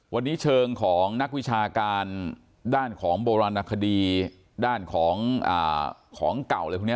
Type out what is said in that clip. วันนี้เชิงของนักวิชาการด้านของโบราณราคดีด้านของอ่าของเก่าเลยพวกเนี้ย